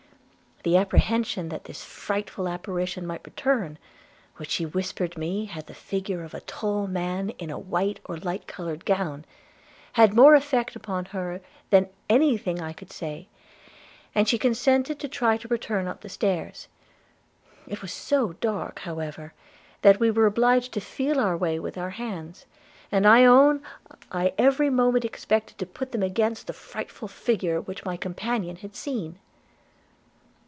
The apprehension that this frightful apparition might return (which she whispered me had the figure of a tall man in a white or light coloured gown), had more effect upon her than any thing I could say; and she consented to try to return up the stairs. It was so dark, however, that we were obliged to feel our way with our hands; and I own I every moment expected to put them against the frightful figure which my companion had seen.'